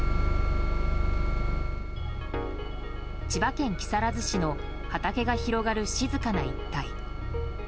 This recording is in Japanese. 千葉県木更津市の畑が広がる静かな一帯。